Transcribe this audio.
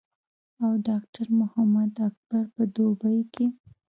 او ډاکټر محمد اکبر پۀ دوبۍ کښې